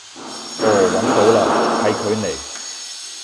哦搵到嘞，係佢嚟